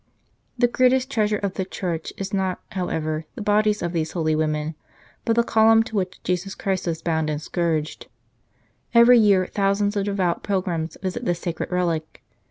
The greatest treasure of the church is not, how ever, the bodies of these holy women, but the column to which Jesus Christ was bound and scourged. Every year thousands of devout pilgrims visit this sacred relic.